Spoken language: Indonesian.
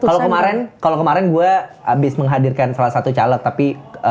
kalau kemarin kalau kemarin gue habis menghadirkan salah satu caleg tapi